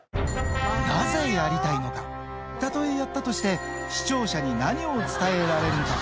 なぜやりたいのか、たとえやったとして、視聴者に何を伝えられるのか。